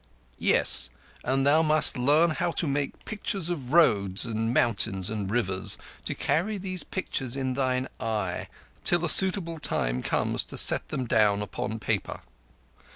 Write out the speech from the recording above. "Yes, and thou must learn how to make pictures of roads and mountains and rivers, to carry these pictures in thine eye till a suitable time comes to set them upon paper.